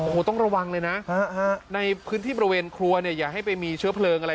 โอ้โหต้องระวังเลยนะในพื้นที่บริเวณครัวเนี่ยอย่าให้ไปมีเชื้อเพลิงอะไร